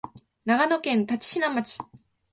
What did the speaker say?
長野県立科町